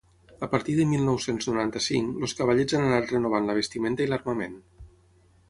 A partir de mil nou-cents noranta-cinc, els Cavallets han anat renovant la vestimenta i l'armament.